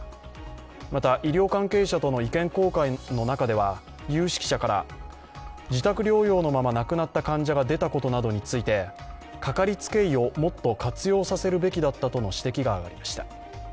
また、医療関係者との意見交換の中では有識者から、自宅療養のまま亡くなった患者が出たことなどについてかかりつけ医をもっと活用させるべきだったとの指摘が上がりました。